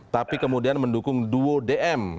tapi kemudian mendukung duo dm